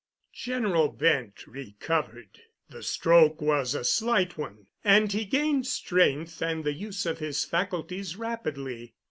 General Bent recovered. The stroke was a slight one, and he gained strength and the use of his faculties rapidly.